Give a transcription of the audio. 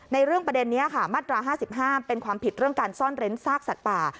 เรื่องประเด็นนี้ค่ะมาตรา๕๕เป็นความผิดเรื่องการซ่อนเร้นซากสัตว์ป่า